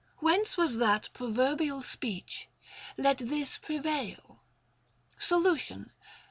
Whence was that proverbial speech, " Let this prevail "\ Solution.